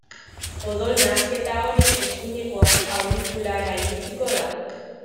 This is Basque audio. Odol nahasketa hori eskuineko aurikulara iritsiko da.